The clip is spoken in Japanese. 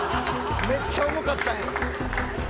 めっちゃ重かったんや。